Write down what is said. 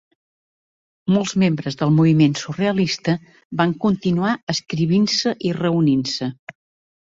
Molts membres del moviment surrealista van continuar escrivint-se i reunint-se.